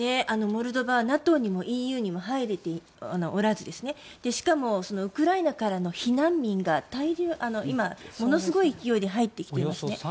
モルドバはＮＡＴＯにもＥＵにも入れておらずしかもウクライナからの避難民が今、ものすごい勢いで入っていまして。